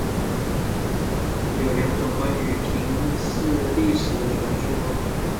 有两种关于和平寺历史的传说。